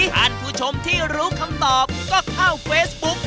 ท่านผู้ชมที่รู้คำตอบก็เข้าเฟซบุ๊ก